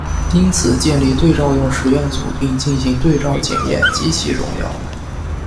因此建立对照用实验组并进行对照检验极其重要。